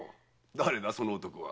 誰だその男は？